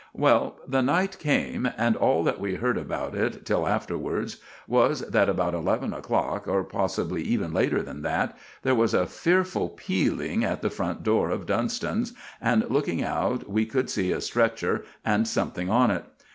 Well, the night came, and all that we heard about it till afterwards was that about eleven o'clock, or possibly even later than that, there was a fearful pealing at the front door of Dunston's, and looking out we could see a stretcher and something on it.